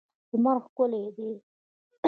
لمر ښکلی دی.